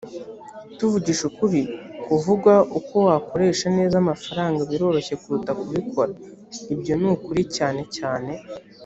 tuvugishije ukuri kuvuga uko wakoresha neza amafaranga biroroshye kuruta kubikora ibyo ni ukuri cyane cyane